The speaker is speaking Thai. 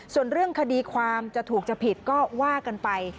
ส่วนเรื่องคดีความจะถูกจะผิดก็ว่ากันไป